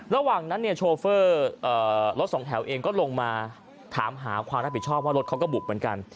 ระหว่างนั้นเนี่ยโชเฟอร์รถสองแถวเองก็ลงมาถามหาความรับผิดชอบว่ารถเขาก็บุกเหมือนกัน